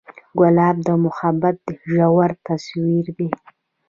ګلاب د محبت ژور تصویر دی.